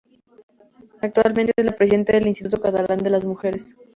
Actualmente es la presidenta del Instituto Catalán de las Mujeres.